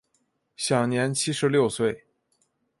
享年七十六岁。